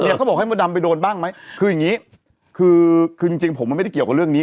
เขาบอกให้มดดำไปโดนบ้างไหมคืออย่างงี้คือคือจริงจริงผมมันไม่ได้เกี่ยวกับเรื่องนี้